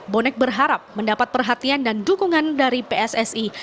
bonek berharap mendapat perhatian dan dukungan dari pssi